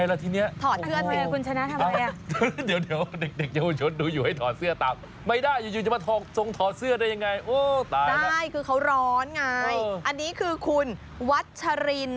ไปดูกันเอาเองละกัน